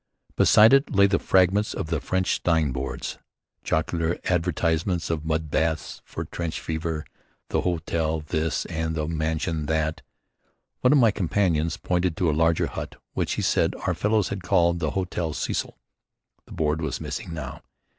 Beside it lay the fragments of the French signboards, jocular advertisements of mud baths for trench fever, the hôtel this and the maison that. One of my companions pointed to a larger hut which he said our fellows had called the Hotel Cecil. The board was missing now.